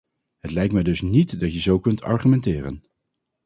Het lijkt mij dus niet dat je zo kunt argumenteren.